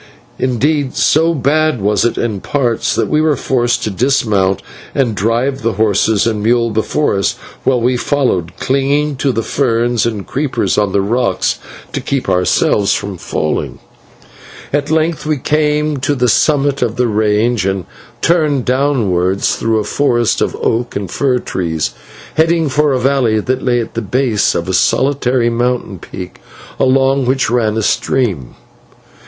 Indeed, so bad was it in parts, that we were forced to dismount and drive the horses and mule before us, while we followed, clinging to the ferns and creepers on the rocks to keep ourselves from falling. At length we came to the summit of the range, and turned downwards through a forest of oak and fir trees, heading for a valley that lay at the base of a solitary mountain peak, along which ran a stream.